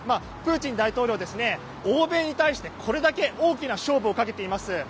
プーチン大統領、欧米に対してこれだけ大きな勝負をかけています。